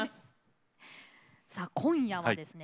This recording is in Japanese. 今夜はですね